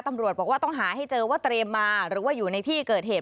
ตำรวจบอกว่าต้องหาให้เจอว่าเตรียมมาหรือว่าอยู่ในที่เกิดเหตุ